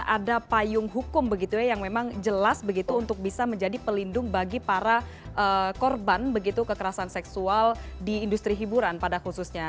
ada payung hukum begitu ya yang memang jelas begitu untuk bisa menjadi pelindung bagi para korban begitu kekerasan seksual di industri hiburan pada khususnya